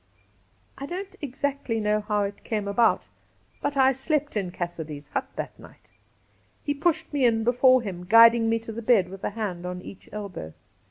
I don't exactly know how it came about, but I slept in Cassidy's hut that night. He pushed me in before him, guiding me to the bed with a hand on each elbow.